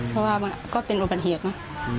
เพราะว่ามันก็เป็นอุบัติเหตุเนอะ